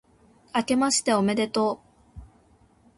あけましておめでとう